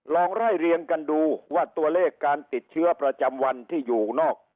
ลองไล่เรียงกันดูว่าตัวเลขการติดเชื้อประจำวันที่อยู่นอก